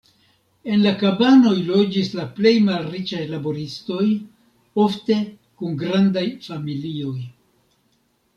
En la kabanoj loĝis la plej malriĉaj laboristoj, ofte kun grandaj familioj.